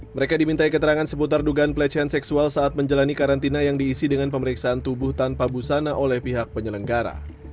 mereka dimintai keterangan seputar dugaan pelecehan seksual saat menjalani karantina yang diisi dengan pemeriksaan tubuh tanpa busana oleh pihak penyelenggara